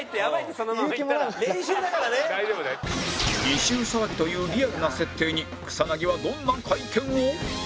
異臭騒ぎというリアルな設定に草薙はどんな会見を？